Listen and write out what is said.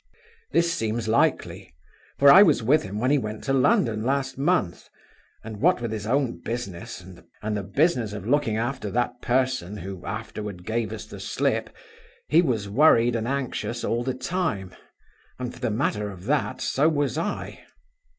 This seems likely; for I was with him when he went to London last month, and what with his own business, and the business of looking after that person who afterward gave us the slip, he was worried and anxious all the time; and for the matter of that, so was I.